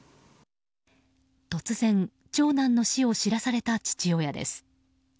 突然、長男の死を知らされた父親です。